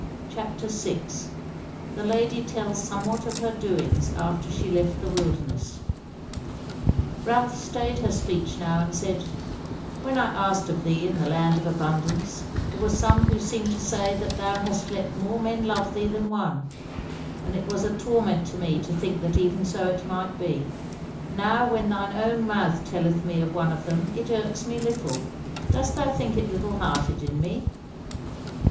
CHAPTER 6 The Lady Tells Somewhat of Her Doings After She Left the Wilderness Ralph stayed her speech now, and said: "When I asked of thee in the Land of Abundance, there were some who seemed to say that thou hast let more men love thee than one: and it was a torment to me to think that even so it might be. But now when thine own mouth telleth me of one of them it irks me little. Dost thou think it little hearted in me?"